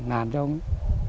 làm cho ông ấy